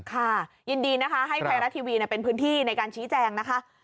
ค่ะยินดีนะคะให้ไทยรัฐทีวีเป็นพื้นที่ในการชี้แจงนะคะ